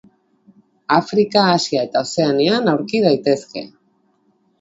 Afrika, Asia eta Ozeanian aurki daitezke.